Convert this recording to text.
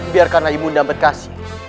biarkanlah ibu muda berkasih